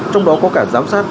trong đó có cả giám sát